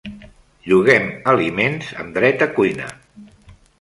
Lloguem aliments amb dret a cuina.